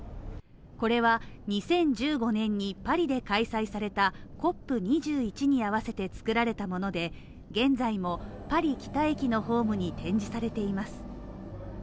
これは、２０１５年にパリで開催されたＣＯＰ２１に合わせて作られたもので、現在もパリ北駅のホームに展示されています